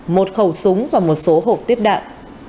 một khẩu súng và một số hộp tiếp đạn